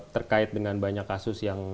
terkait dengan banyak kasus yang